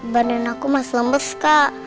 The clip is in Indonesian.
badan aku masih lembes kak